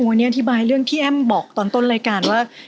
วันนี้อธิบายเรื่องที่แอ้มบอกตอนต้นรายการว่า